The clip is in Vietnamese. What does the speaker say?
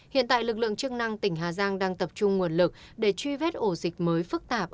hiện tại lực lượng chức năng tỉnh hà giang đang tập trung nguồn lực để truy vết ổ dịch mới phức tạp